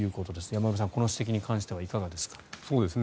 山村さん、この指摘に関してはいかがですか？